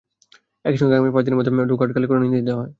একই সঙ্গে আগামী পাঁচ দিনের মধ্যে ডকইয়ার্ড খালি করার নির্দেশ দেওয়া হয়।